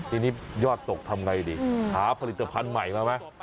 ทีนี้ยอดตกทำไงดีหาผลิตภัณฑ์ใหม่มาไหม